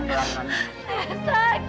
ini maksudnya gimana sih nont